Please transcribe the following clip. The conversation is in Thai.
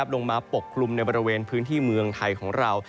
ปกคลุมในบริเวณพื้นที่เมืองไทยของเรา